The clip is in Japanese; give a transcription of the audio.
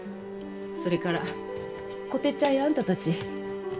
それからこてっちゃんやあんたたち。